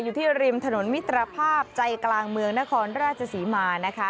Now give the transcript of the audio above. อยู่ที่ริมถนนมิตรภาพใจกลางเมืองนครราชศรีมานะคะ